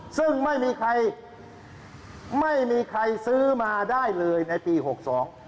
ซึ่งไม่มีใครไม่มีใครซื้อมาได้เลยในปีหกสอง